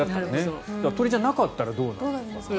鳥じゃなかったらどうなんだろう。